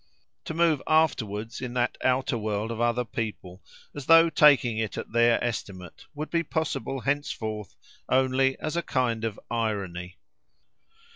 To move afterwards in that outer world of other people, as though taking it at their estimate, would be possible henceforth only as a kind of irony.